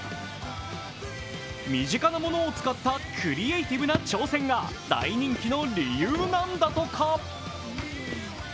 身近なものを使ったクリエーティブな挑戦が大人気の理由なんだとか。